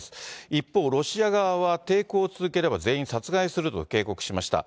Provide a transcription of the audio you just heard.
一方、ロシア側は抵抗を続ければ、全員殺害すると警告しました。